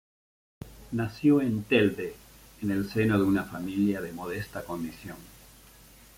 Nació en Telde, en el seno de una familia de modesta condición.